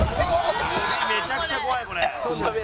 「めちゃくちゃ怖いこれ」